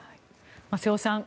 瀬尾さん